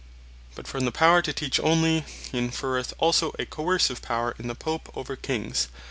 But from the Power to Teach onely, hee inferreth also a Coercive Power in the Pope, over Kings.